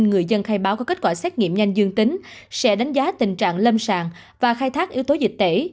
một mươi người dân khai báo có kết quả xét nghiệm nhanh dương tính sẽ đánh giá tình trạng lâm sàng và khai thác yếu tố dịch tễ